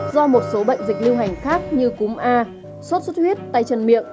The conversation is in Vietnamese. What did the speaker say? do một số bệnh dịch lưu hành khác như cúm a sốt xuất huyết tay chân miệng